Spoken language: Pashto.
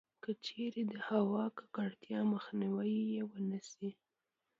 کـچـېرې د هوا کـکړتيا مخنيـوی يـې ونـه شـي٫